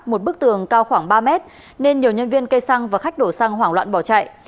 một bức tường cao khoảng ba mét nên nhiều nhân viên cây xăng và khách đổ xăng hoảng loạn bỏ chạy